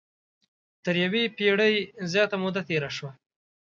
تر یوې پېړۍ زیاته موده تېره شوه.